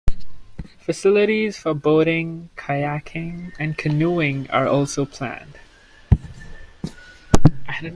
Facilities for boating, kayaking and canoeing are also planned.